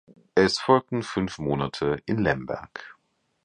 Es folgten fünf Monate in Lemberg.